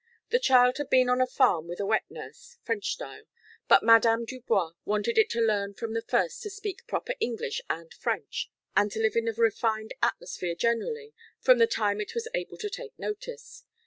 The child had been on a farm with a wet nurse (French style), but Madame Dubois wanted it to learn from the first to speak proper English and French, and to live in a refined atmosphere generally from the time it was able to take notice.